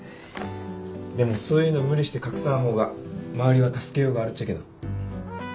でもそういうの無理して隠さん方が周りは助けようがあるっちゃけど